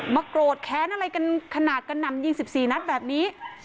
มาโกรธแค้นอะไรกันขนาดกันนำยิงสิบสี่นัดแบบนี้